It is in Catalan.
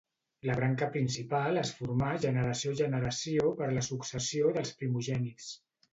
La branca principal es formà generació a generació per la successió dels primogènits.